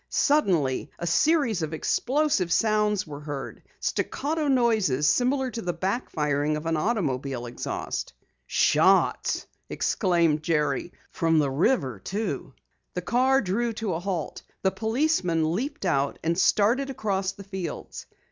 Suddenly a series of explosive sounds were heard, staccato noises similar to the back firing of an automobile exhaust. "Shots!" exclaimed Jerry. "From the river, too!" The car drew to a halt. The policemen leaped out and started across the fields.